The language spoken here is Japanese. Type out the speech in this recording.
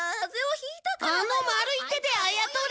あの丸い手であやとり！？